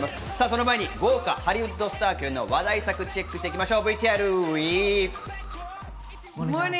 その前に豪華ハリウッドスターの話題作をチェックしていきます。